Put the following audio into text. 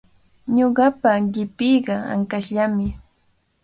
Ñuqapa qipiiqa ankashllami.